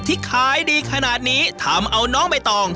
ที่ขายดีขนาดนี้ทำเอาน้องใบตอง